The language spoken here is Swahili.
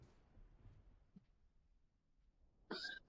Katika mapokeo yao wenyewe ni Mtume Andrea aliyeleta mara ya kwanza